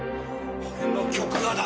俺の曲がだ。